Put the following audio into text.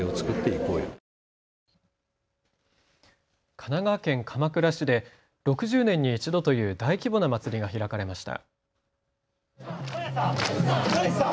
神奈川県鎌倉市で６０年に１度という大規模な祭りが開かれました。